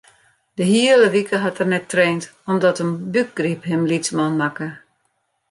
De hiele wike hat er net traind omdat in bûkgryp him lytsman makke.